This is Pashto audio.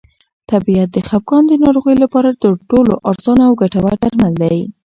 طبیعت د خپګان د ناروغۍ لپاره تر ټولو ارزانه او ګټور درمل دی.